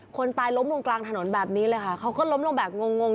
คนตายล้มลงกลางถนนแบบนี้เลยค่ะเขาก็ล้มลงแบบงงง